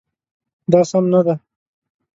دا سم نه دی